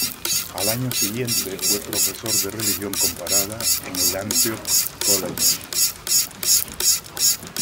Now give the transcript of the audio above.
Al año siguiente fue profesor de religión comparada en Antioch College.